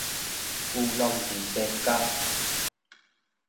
龜鹿二仙膠